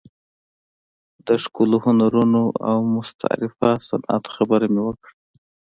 د ښکلو هنرونو او مستطرفه صنعت خبره مې وکړه.